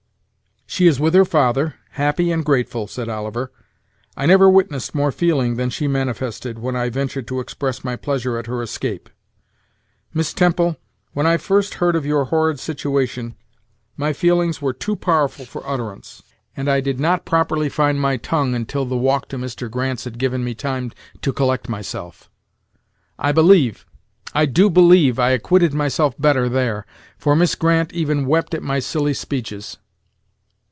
"She is with her father, happy and grateful," said Oliver, "I never witnessed more feeling than she manifested, when I ventured to express my pleasure at her escape. Miss Temple, when I first heard of your horrid situation, my feelings were too powerful for utterance; and I did not properly find my tongue, until the walk to Mr. Grant's had given me time to collect myself. I believe I do believe, I acquitted myself better there, for Miss Grant even wept at my silly speeches."